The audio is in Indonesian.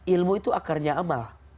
ilmu itu akarnya amal